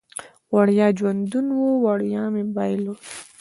وړیا ژوندون و، وړیا مې بایلود